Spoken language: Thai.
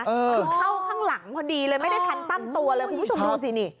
คือเข้าข้างหลังพอดีเลยไม่ได้ทันตั้งตัวเลยคุณผู้ชมดูสินี่